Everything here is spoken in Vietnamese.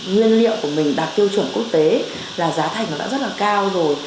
nguyên liệu của mình đạt tiêu chuẩn quốc tế là giá thành nó đã rất là cao rồi